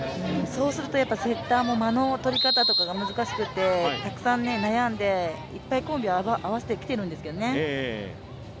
そうするとセッターも、間の取り方とかが難しくてたくさん悩んで、いっぱいコンビは合わせてきているんですけどね。